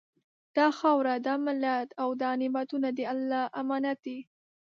دا خاوره، دا ملت او دا نعمتونه د الله امانت دي